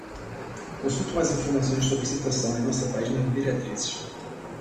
Consulte mais informações sobre citação em nossa página de diretrizes.